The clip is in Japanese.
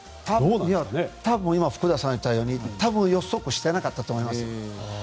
福田さんが言ったように予測していなかったと思います。